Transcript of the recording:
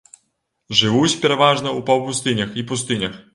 Жывуць пераважна ў паўпустынях і пустынях.